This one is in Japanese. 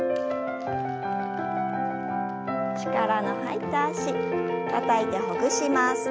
力の入った脚たたいてほぐします。